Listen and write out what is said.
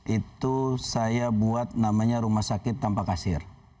itu saya buat namanya rumah sakit tanpa kasir